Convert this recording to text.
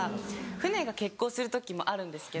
船が欠航する時もあるんですけど。